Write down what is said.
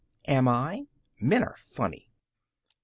"Am I? Men are funny."